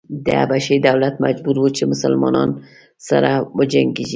د حبشې دولت مجبور و چې مسلنانو سره وجنګېږي.